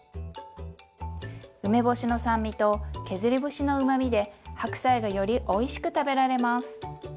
梅干しの酸味と削り節のうまみで白菜がよりおいしく食べられます。